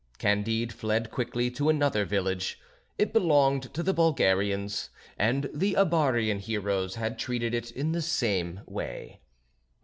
Candide fled quickly to another village; it belonged to the Bulgarians; and the Abarian heroes had treated it in the same way.